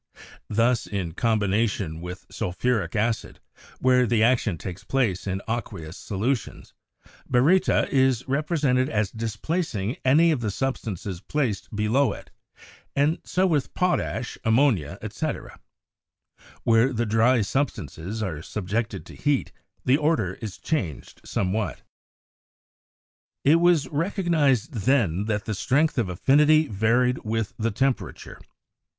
Thus in combination with sul phuric acid, where the action takes place in aqueous solu tions, baryta is represented as displacing any of the sub stances placed below it, and so with potash, ammonia, etc. Where the dry substances are subjected to heat, the order is changed somewhat. It was recognised then that the strength of affinity varied with the temperature.